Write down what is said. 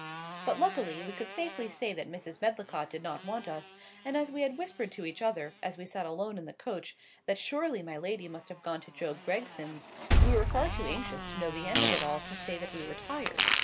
But luckily we could safely say that Mrs. Medlicott did not want us; and as we had whispered to each other, as we sat alone in the coach, that surely my lady must have gone to Job Gregson's, we were far too anxious to know the end of it all to say that we were tired.